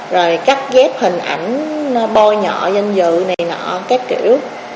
rồi cắt ghép hình ảnh nó bôi nhọ danh dự này nọ các kiểu